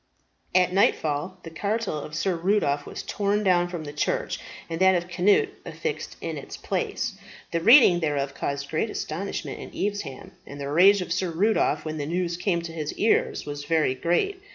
At nightfall the cartel of Sir Rudolph was torn down from the church and that of Cnut affixed in its place. The reading thereof caused great astonishment in Evesham, and the rage of Sir Rudolph, when the news came to his ears, was very great.